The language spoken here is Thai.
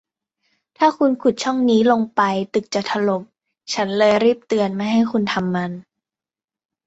ถ้าคุณขุดช่องนี้ลงไปตึกจะถล่ม ฉันเลยรีบเตือนไม่ให้คุณทำมัน